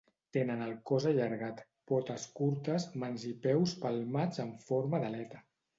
Tenen el cos allargat, potes curtes, mans i peus palmats en forma d'aleta.